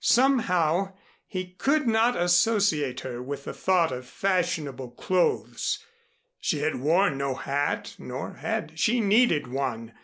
Somehow he could not associate her with the thought of fashionable clothes. She had worn no hat nor had she needed one.